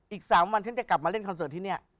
อีก๓วันฉันจะกลับมาเล่นคอนเสิร์ตที่นี่